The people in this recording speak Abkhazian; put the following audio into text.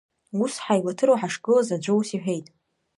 Ус ҳаилаҭыруа ҳашгылаз, аӡәы ус иҳәеит…